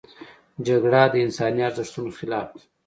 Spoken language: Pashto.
جګړه د انساني ارزښتونو خلاف ده